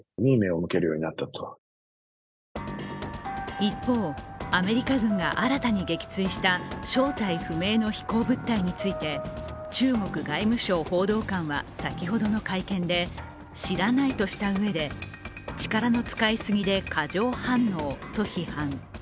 一方、アメリカ軍が新たに撃墜した正体不明の飛行物体について中国外務省報道官は先ほどの会見で知らないとしたうえで力の使いすぎで過剰反応と批判。